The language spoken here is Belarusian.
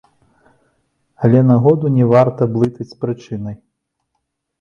Але нагоду не варта блытаць з прычынай.